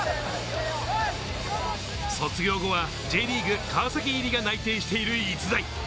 卒業後はＪリーグ・川崎入りが内定している逸材。